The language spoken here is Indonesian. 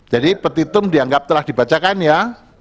jadi petitum dianggap telah dibacakan ya